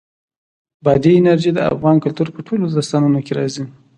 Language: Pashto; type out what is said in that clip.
بادي انرژي د افغان کلتور په ټولو داستانونو کې راځي.